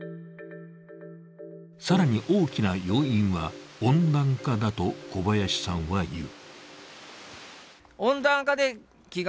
更に大きな要因は温暖化だと小林さんは言う。